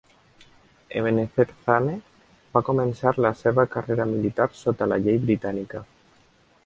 Ebenezer Zane va començar la seva carrera militar sota la llei britànica.